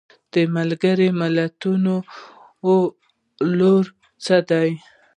د ملګرو ملتونو رول څه دی؟